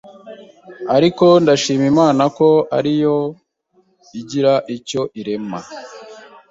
ariko ndashima Imana ko ariyo igira icyo irema